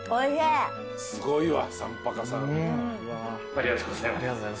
ありがとうございます。